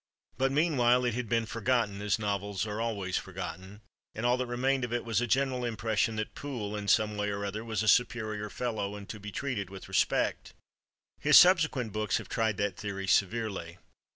But meanwhile, it had been forgotten, as novels are always forgotten, and all that remained of it was a general impression that Poole, in some way or other, was a superior fellow and to be treated with respect. His subsequent books have tried that theory severely.